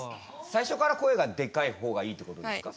最初から声がでかい方がいいってことですか？